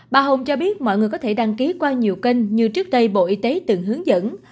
bà hồng cho biết mọi người có thể đăng ký qua nhiều kênh như trước đây bộ y tế từng hướng dẫn